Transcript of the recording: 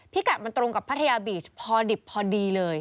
กัดมันตรงกับพัทยาบีชพอดิบพอดีเลย